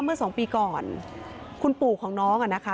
เมื่อสองปีก่อนคุณปู่ของน้องอ่ะนะคะ